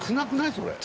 それ。